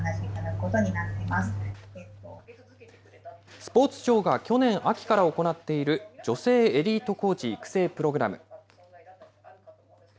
スポーツ庁が去年秋から行っている、女性エリートコーチ育成プログラム。